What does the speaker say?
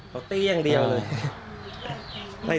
ให้ตีอย่างเดียวเลย